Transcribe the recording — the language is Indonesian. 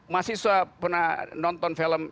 masih pernah nonton film